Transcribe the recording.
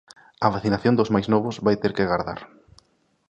A vacinación dos máis novos vai ter que agardar.